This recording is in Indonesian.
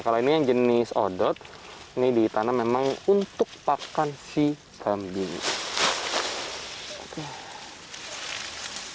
kalau ini yang jenis odot ini ditanam memang untuk pakan si kambing